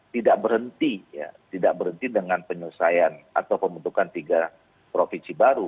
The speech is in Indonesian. tidak berhenti dengan penyelesaian atau pembentukan tiga provinsi baru